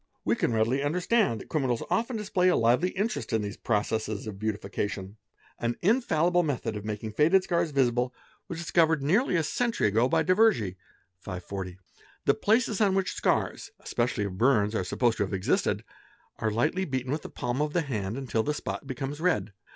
We can reatlily understand th criminals often display a lively interest in these processes of beautifics tion. An infallible method of making faded scars visible was discoveré DISGUISING THE FACE 299 nearly a century ago by Devergie™. The places on which scars, especially of burns, are supposed to have existed, are lightly beaten with the palm of the hand until the spot becomes red.